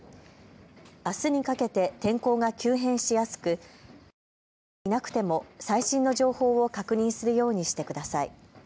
あすにかけて天候が急変しやすく雨が降っていなくても最新の情報を確認するようにしてください。